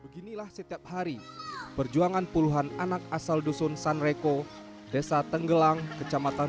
beginilah setiap hari perjuangan puluhan anak asal dusun sanreko desa tenggelang kecamatan